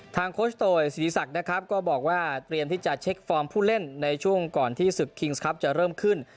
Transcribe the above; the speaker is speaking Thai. โคชโตยศิริศักดิ์นะครับก็บอกว่าเตรียมที่จะเช็คฟอร์มผู้เล่นในช่วงก่อนที่ศึกคิงส์ครับจะเริ่มขึ้น